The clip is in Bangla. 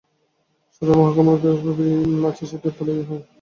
সদর মহকুমার যে কুঠি আছে সেইটে পাইলেই আমাদের কোনোরকম করিয়া চলিয়া যাইবে।